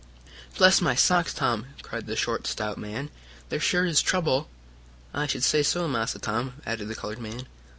"Bless my socks, Tom!" cried the short, stout man. "There sure is trouble!" "I should say So, Massa Tom!" added the colored man.